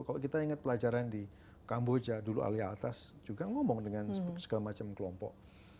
kalau kita ingat pelajaran di kamboja dulu alia atas juga ngomong dengan segala macam kelompok